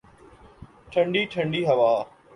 ٹھنڈی ٹھنڈی ہوا